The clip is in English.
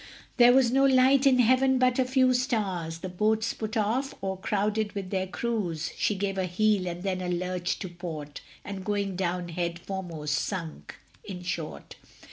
....... There was no light in heaven but a few stars; The boats put off, o'ercrowded with their crews: She gave a heel, and then a lurch to port, And going down head foremost sunk, in short.